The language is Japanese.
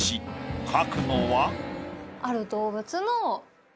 描くのは。